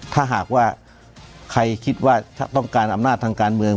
ถ้าหากว่าใครคิดว่าถ้าต้องการอำนาจทางการเมือง